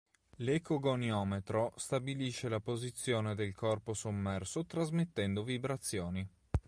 L'ecogoniometro stabilisce la posizione del corpo sommerso trasmettendo vibrazioni.